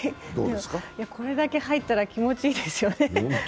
これだけ入ったら気持ちいいですよね。